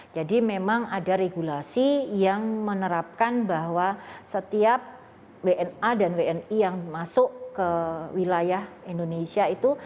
jadi memang ada regulasi yang menerapkan bahwa setiap bna dan wni yang masuk ke wilayah indonesia itu